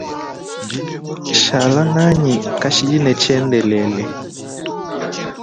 Shala nʼanyi kashid ne tshiendelele.